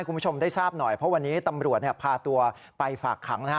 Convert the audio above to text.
ยังได้ทราบหน่อยวันนี้ตำรวจพาตัวไปฝากขัง